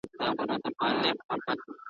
چي د ظلم او استبداد څخه یې `